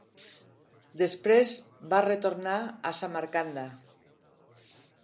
Després va retornar a Samarcanda.